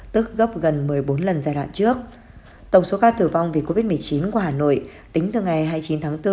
tức gấp gần một mươi bốn lần giai đoạn trước tổng số ca tử vong vì covid một mươi chín của hà nội tính từ ngày hai mươi chín tháng bốn